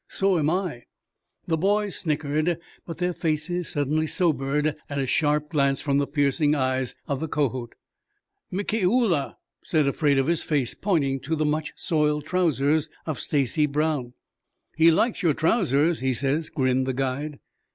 So am I." The boys snickered, but their faces suddenly sobered at a sharp glance from the piercing eyes of the Kohot. "Mi ki u la," said Afraid Of His Face, pointing to the much soiled trousers of Stacy Brown. "He likes your trousers, he says," grinned the guide.